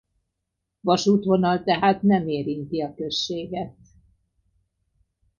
Vasútvonal tehát nem érinti a községet.